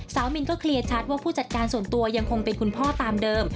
มินก็เคลียร์ชัดว่าผู้จัดการส่วนตัวยังคงเป็นคุณพ่อตามเดิม